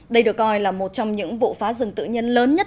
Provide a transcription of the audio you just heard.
đây được coi là một trong những vụ phá rừng tự nhiên lớn nhất